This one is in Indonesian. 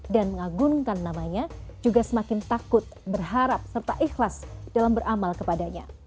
dan mengagunkan namanya juga semakin takut berharap serta ikhlas dalam beramal kepadanya